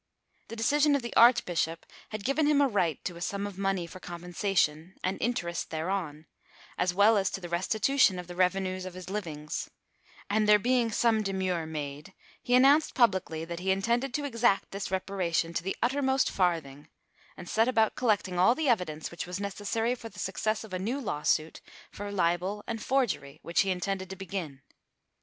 The decision of the archbishop had given him a right to a sum of money for compensation, and interest thereon, as well as to the restitution of the revenues of his livings, and there being some demur made, he announced publicly that he intended to exact this reparation to the uttermost farthing, and set about collecting all the evidence which was necessary for the success of a new lawsuit for libel and forgery which he intended to begin.